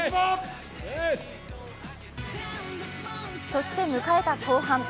そして迎えた後半。